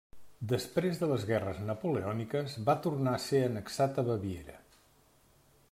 Després de les guerres napoleòniques, va tornar a ser annexat a Baviera.